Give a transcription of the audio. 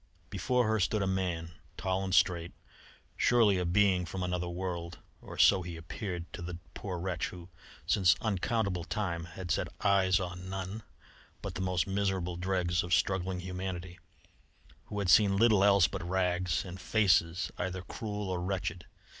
Before her stood a man, tall and straight, surely a being from another world or so he appeared to the poor wretch who, since uncountable time, had set eyes on none but the most miserable dregs of struggling humanity, who had seen little else but rags, and faces either cruel or wretched.